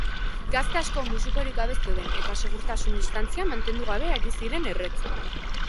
Gazte asko musukorik gabe zeuden eta segurtasun-distantzia mantendu gabe ari ziren erretzen.